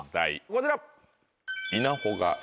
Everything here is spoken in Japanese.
こちら。